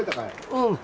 うん。